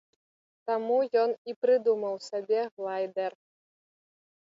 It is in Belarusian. Таму ён і прыдумаў сабе глайдэр.